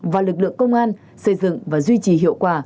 và lực lượng công an xây dựng và duy trì hiệu quả